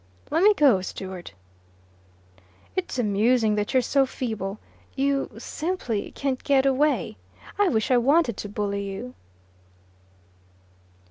"Lemme go, Stewart." "It's amusing that you're so feeble. You simply can't get away. I wish I wanted to bully you."